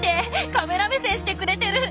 カメラ目線してくれてる！